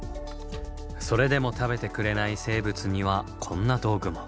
それでも食べてくれない生物にはこんな道具も。